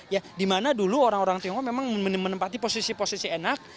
ya dimana dulu orang orang tionghoa memang menempati posisi posisi enak